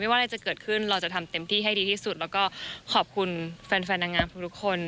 ว่าอะไรจะเกิดขึ้นเราจะทำเต็มที่ให้ดีที่สุดแล้วก็ขอบคุณแฟนนางงามทุกคน